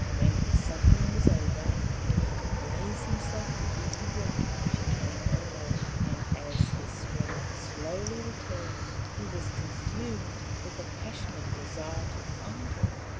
When his suffering was over, and he could raise himself to eat and drink, she came to him no more, and as his strength slowly returned he was consumed with a passionate desire to find her.